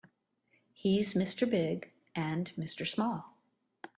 He's Mr. Big and Mr. Small.